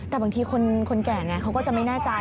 แต่บางทีคนแก่ไงเขาก็จะไม่แน่ใจ